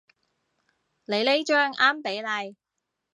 你呢張啱比例